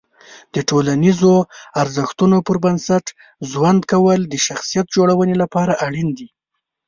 د ټولنیزو ارزښتونو پر بنسټ ژوند کول د شخصیت جوړونې لپاره اړین دي.